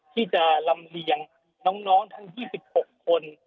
ที่จะลำเลียงน้องทั้ง๒๖คน